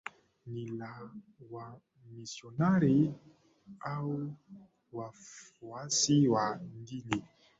ni la Wamisionari au wafuasi wa dini